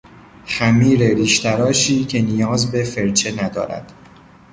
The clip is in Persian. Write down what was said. خمیر ریشتراشی که نیازی به فرچه ندارد